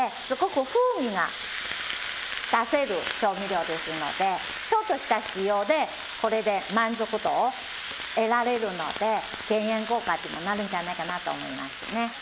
すごく風味が出せる調味料ですのでちょっとした塩でこれで満足度を得られるので減塩効果にもなるんじゃないかなと思いますね。